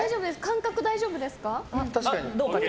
間隔大丈夫ですか？